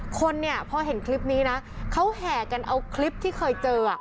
คนเนี่ยพอเห็นคลิปนี้นะเขาแห่กันเอาคลิปที่เคยเจอ